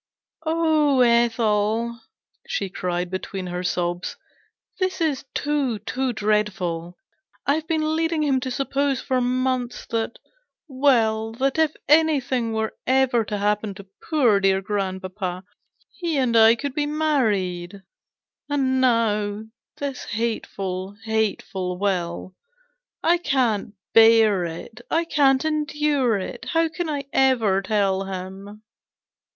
" Oh ! Ethel," she cried, between her sobs, "this is too, too dreadful. I've been leading him to suppose for months that .. well, that, if anything was ever to happen to poor dear grandpapa, he and I could be married ; and now this hateful, hateful will ! I can't bear it. I can't endure it. How can I ever tell him?"